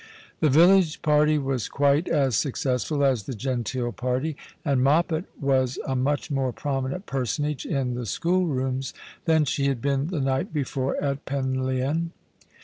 The village party was quite as successful as the genteel party, and Moppet was a much more prominent j)ei"sonage in the schoolrooms than she had been the night before at Penlyon.